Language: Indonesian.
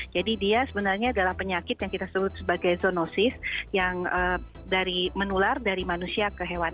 jadi dia sebenarnya adalah penyakit yang kita sebut sebagai zoonosis yang menular dari manusia ke hewan